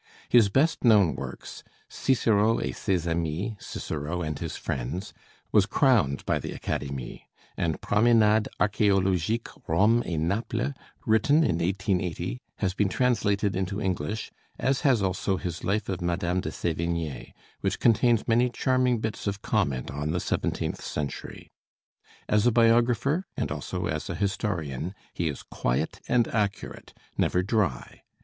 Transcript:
His best known works, 'Cicero et ses Amis' (Cicero and His Friends), was crowned by the Académie; and 'Proménades Archéologiques, Rome et Naples,' written in 1880, has been translated into English, as has also his life of Madame de Sévigné, which contains many charming bits of comment on the seventeenth century. As a biographer, and also as a historian, he is quiet and accurate never dry.